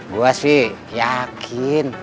gua sih yakin